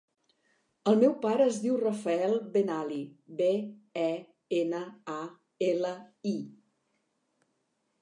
El meu pare es diu Rafael Benali: be, e, ena, a, ela, i.